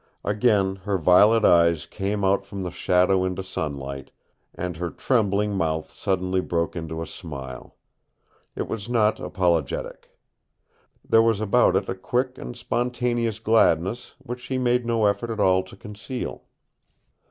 Again her violet eyes came out from the shadow into sunlight, and her trembling mouth suddenly broke into a smile. It was not apologetic. There was about it a quick and spontaneous gladness which she made no effort at all to conceal.